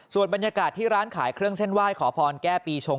ส่วนบรรยากาศที่ร้านขายเครื่องเส้นไหว้ขอพรแก้ปีชง